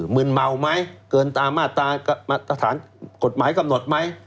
มึนเมาไหมเกินตามมาตรฐานกฎหมายกำหนดไหม